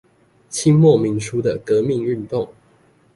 清末民初的革命運動